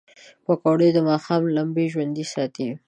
پکورې د ماښام لمبې ژوندۍ ساتي